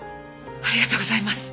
ありがとうございます！